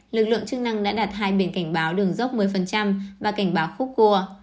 lực lượng chức năng đã đặt hai biển cảnh báo đường dốc một mươi và cảnh báo khúc cua